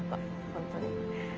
本当に。